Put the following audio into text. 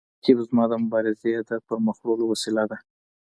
رقیب زما د مبارزې د پرمخ وړلو وسیله ده